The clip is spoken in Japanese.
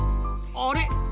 あれ？